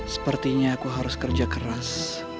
sepertinya aku harus kerja keras